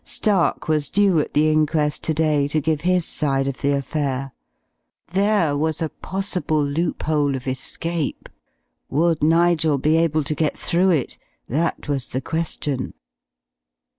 Stark was due at the inquest to day, to give his side of the affair. There was a possible loophole of escape. Would Nigel be able to get through it? That was the question.